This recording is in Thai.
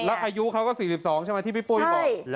แล้วอายุเขาก็๔๒ใช่ไหมที่พี่ปุ้ยบอก